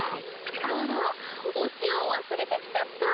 あらおしおをわすれてきちゃった！